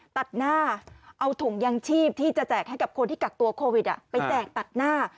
ตัดหน้าเอาถุงยังชีพที่จะแจกให้กับคนที่กักตัวโควิดไปแจกตัดหน้า